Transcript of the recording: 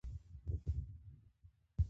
کور د ژوند سمبول دی.